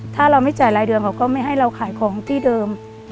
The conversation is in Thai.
ถ้าเราไม่จ่ายรายเดือนเขาก็ไม่ให้เราขายของที่เดิม